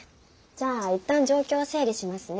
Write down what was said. じゃあ一旦状況を整理しますね。